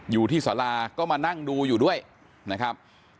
อยู่ที่สาราก็มานั่งดูอยู่ด้วยนะครับ